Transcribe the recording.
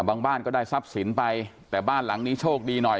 บ้านก็ได้ทรัพย์สินไปแต่บ้านหลังนี้โชคดีหน่อย